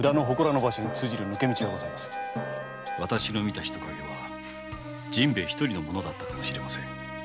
私の見た人影は陣兵衛一人のものだったかもしれません。